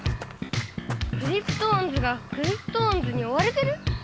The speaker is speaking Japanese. ⁉クリプトオンズがクリプトオンズにおわれてる？